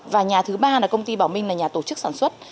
và nhà thứ ba là công ty bảo minh là nhà tổ chức sản xuất